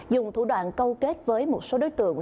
dùng thủ đoạn câu kết với một số đối tượng